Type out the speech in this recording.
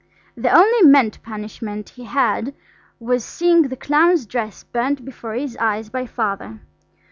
The only meant punishment he had was seeing the clown's dress burnt before his eyes by Father.